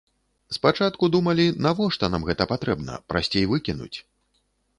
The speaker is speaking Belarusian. Спачатку думалі, навошта нам гэта патрэбна, прасцей выкінуць.